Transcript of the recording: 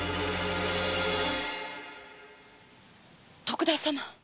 徳田様！